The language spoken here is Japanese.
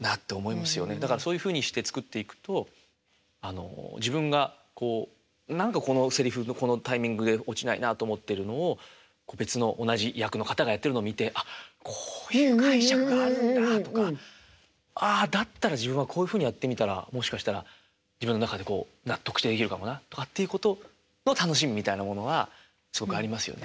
だからそういうふうにして作っていくと自分がこう何かこのせりふのこのタイミングで落ちないなと思ってるのを別の同じ役の方がやってるのを見て「ああこういう解釈があるんだ」とかああだったら自分はこういうふうにやってみたらもしかしたら自分の中でこう納得できるかもなとかっていうことの楽しみみたいなものがすごくありますよね。